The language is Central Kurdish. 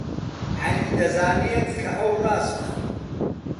عەلی دەزانێت کە ئەو ڕاستە.